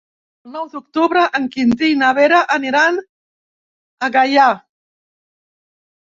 El nou d'octubre en Quintí i na Vera aniran a Gaià.